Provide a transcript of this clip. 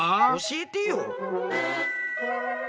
教えてよ。